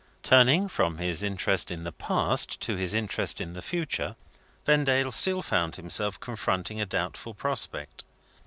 Turning from his interest in the past to his interest in the future, Vendale still found himself confronting a doubtful prospect.